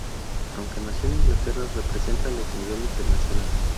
Aunque nació en Inglaterra, representa a los a nivel internacional.